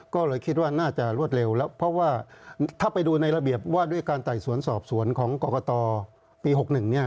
ก็เลยคิดว่าน่าจะรวดเร็วแล้วเพราะว่าถ้าไปดูในระเบียบว่าด้วยการไต่สวนสอบสวนของกรกตปี๖๑เนี่ย